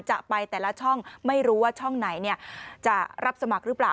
จะไปแต่ละช่องไม่รู้ว่าช่องไหนจะรับสมัครหรือเปล่า